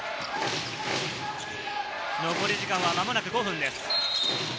残り時間はまもなく５分です。